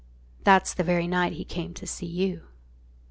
"That's the very night he came to see you."